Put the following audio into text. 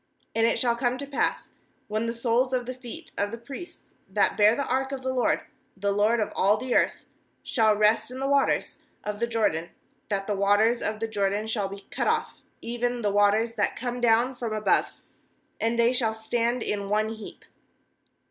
nd it shall come to pass, when the soles of the feet of the priests that bear the ark of the LORD, the Lord of all the earth, shall rest in the waters of the Jordan, that the waters of the Jordan shall be cut off, even the waters that come down from above; and they shall stand in one heap.'